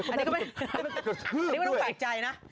อันนี้ก็อันนี้ไม่ต้องแปลกใจนะ